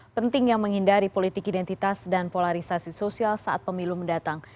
pentingnya menghindari politik identitas dan polarisasi sosial saat pemilu mendatang